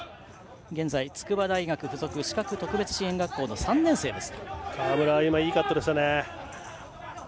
現在、筑波大学付属視覚特別支援学校の３年生です。